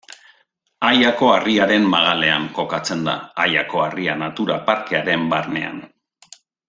Aiako harriaren magalean kokatzen da, Aiako Harria natura parkearen barnean.